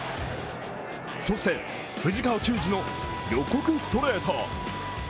そして藤川球児の予告ストレート。